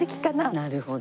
なるほど。